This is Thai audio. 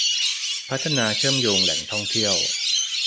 พัฒนาการเชื่อมโยงแหล่งท่องเที่ยว